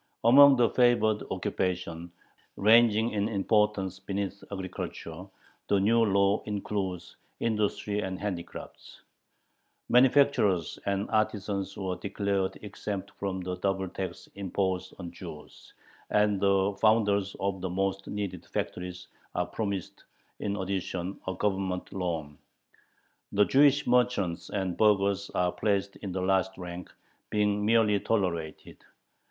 Among the favored occupations, ranging in importance beneath agriculture, the new law includes industry and handicrafts. Manufacturers and artisans are declared exempt from the double tax imposed on Jews, and the founders of "the most needed factories" are promised, in addition, a Government loan. The Jewish merchants and burghers are placed in the last rank, being merely "tolerated."